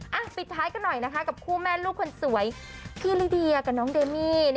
ปิดท้ายกันหน่อยนะคะกับคู่แม่ลูกคนสวยพี่ลิเดียกับน้องเดมี่